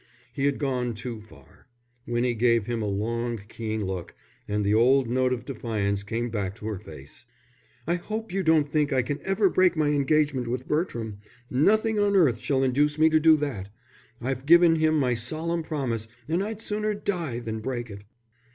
He had gone too far. Winnie gave him a long, keen look, and the old note of defiance came back to her face. "I hope you don't think I can ever break my engagement with Bertram. Nothing on earth shall induce me to do that. I've given him my solemn promise and I'd sooner die than break it."